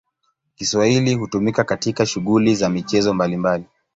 Kiswahili hutumika katika shughuli za michezo mbalimbali.